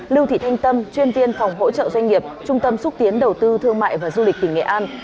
lưu thị thanh tâm chuyên viên phòng hỗ trợ doanh nghiệp trung tâm xúc tiến đầu tư thương mại và du lịch tỉnh nghệ an